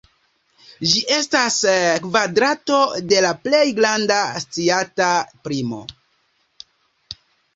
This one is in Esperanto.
Ĝi estas kvadrato de la plej granda sciata primo.